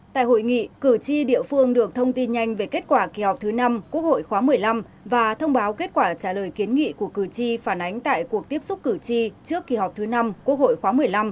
tại hội nghị cử tri địa phương được thông tin nhanh về kết quả kỳ họp thứ năm quốc hội khóa một mươi năm và thông báo kết quả trả lời kiến nghị của cử tri phản ánh tại cuộc tiếp xúc cử tri trước kỳ họp thứ năm quốc hội khóa một mươi năm